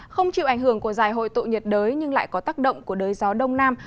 không chịu ảnh hưởng của giải hội tụ nhiệt đới nhưng lại có tác động của đới gió đông nam